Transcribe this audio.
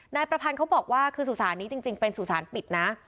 นายประพันธ์เขาบอกว่าคือสุสานนี้จริงเป็นสุสานปิดนะ